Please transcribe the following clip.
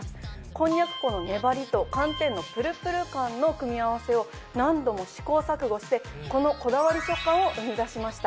こんにゃく粉の粘りと寒天のプルプル感の組み合わせを何度も試行錯誤してこのこだわり食感を生み出しました。